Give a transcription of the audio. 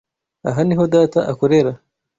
Aha niho data akorera.